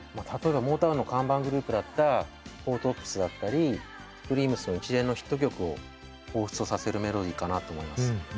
例えばモータウンの看板グループだったフォー・トップスだったりシュープリームスの一連のヒット曲をほうふつとさせるメロディーかなと思います。